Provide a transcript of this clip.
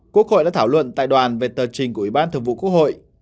quốc hội đã thảo luận tại đoàn về tờ trình của ủy ban thường vụ quốc hội